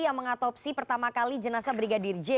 yang mengatopsi pertama kali jenasa brigadir j